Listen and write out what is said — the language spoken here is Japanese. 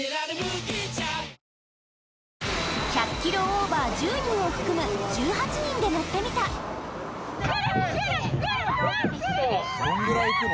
１００ｋｇオーバー１０人を含む１８人で乗ってみた来る来る来る